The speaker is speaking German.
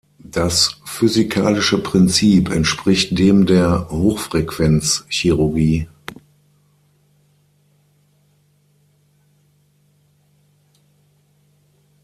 Das physikalische Prinzip entspricht dem der Hochfrequenz-Chirurgie.